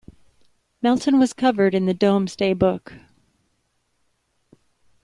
Melton was covered in the "Domesday Book".